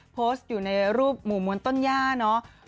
โพสต์อยู่ในรูปหมู่มวลต้นย่าเนาะ